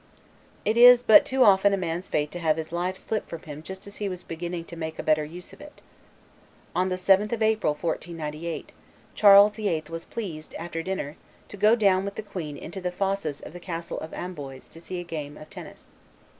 It is but too often a man's fate to have his life slip from him just as he was beginning to make a better use of it. On the 7th of April, 1498, Charles VIII. was pleased, after dinner, to go down with the queen into the fosses of the castle of Amboise, to see a game of tennis.